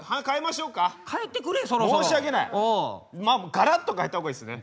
がらっと変えた方がいいですね。